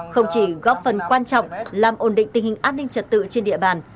không chỉ góp phần quan trọng làm ổn định tình hình an ninh trật tự trên địa bàn